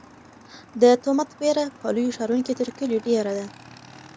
د تومت وېره په لویو ښارونو کې تر کلیو ډېره ده.